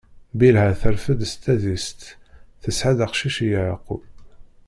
Bilha terfed s tadist, tesɛa-d aqcic i Yeɛqub.